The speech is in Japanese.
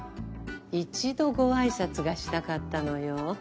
一度ご挨拶がしたかったのよ。